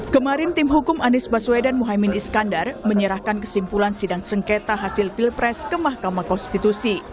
kemarin tim hukum anies baswedan muhaymin iskandar menyerahkan kesimpulan sidang sengketa hasil pilpres ke mahkamah konstitusi